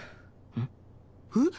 ん？えっ！？